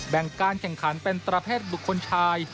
การแข่งขันเป็นประเภทบุคคลชาย